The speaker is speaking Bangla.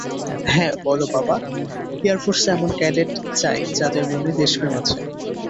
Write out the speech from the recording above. হ্যাঁ, বলো বাবা, এয়ারফোর্স এ এমন ক্যাডেট চাই যাদের মনে দেশপ্রেম আছে।